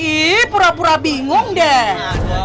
ini pura pura bingung deh